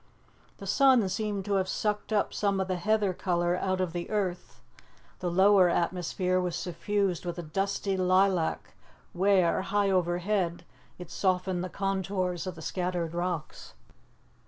The sun seemed to have sucked up some of the heather colour out of the earth; the lower atmosphere was suffused with a dusty lilac where, high overhead, it softened the contours of the scattered rocks.